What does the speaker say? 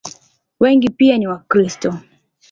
Wengi pia ni Wakristo.